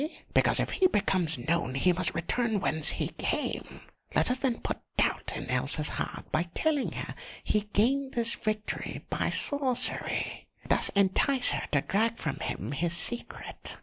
Because if he becomes known he must return whence he came. Let us then put doubt in Elsa's heart by telling her he gained this victory by sorcery, and thus entice her to drag from him his secret.